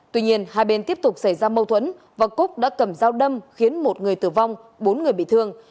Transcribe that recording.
tuy nhiên hai bên tiếp tục xảy ra mâu thuẫn và cúc đã cầm dao đâm khiến một người tử vong bốn người bị thương